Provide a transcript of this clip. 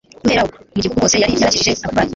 Guhera ubwo; mu gihugu hose yari yarakijije abarwayi,